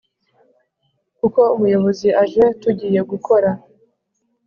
kuko umuyobozi aje tugiye gukora